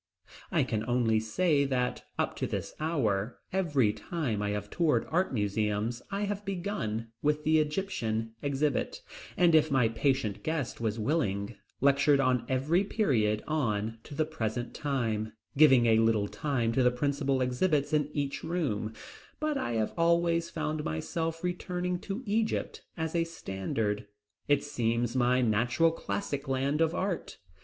I can only say that up to this hour, every time I have toured art museums, I have begun with the Egyptian exhibit, and if my patient guest was willing, lectured on every period on to the present time, giving a little time to the principal exhibits in each room, but I have always found myself returning to Egypt as a standard. It seems my natural classic land of art.